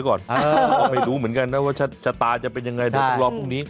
ก็ไม่รู้เหมือนกันว่าเขาจะยังไงพรุ่งนี้